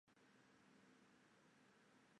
某些藩也会设置奏者番的职务。